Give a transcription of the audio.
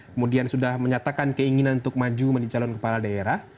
kemudian sudah menyatakan keinginan untuk maju menjadi calon kepala daerah